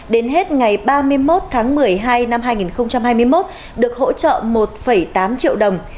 đến hết ngày ba mươi một tháng một mươi hai năm hai nghìn hai mươi một được hỗ trợ một tám triệu đồng